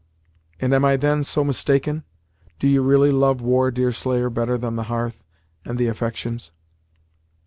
"And am I then so mistaken? Do you really love war, Deerslayer, better than the hearth, and the affections?"